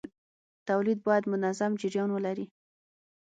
تولید باید منظم جریان ولري.